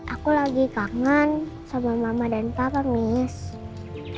aku lagi kangen sama mama dan papa miss